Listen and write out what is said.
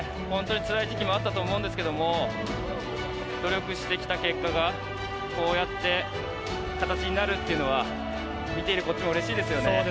本当につらい時期もあったと思うんですけど、努力してきた結果が、こうやって形になるっていうのは、見ているこっちもうれしいですよね。